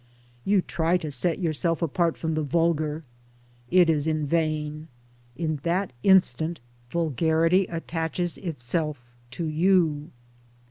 You try to set yourself apart from the vulgar. It is in vain. In that instant vulgarity attaches itself to you.